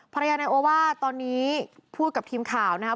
ภรรยานายโอว่าตอนนี้พูดกับทีมข่าวนะครับ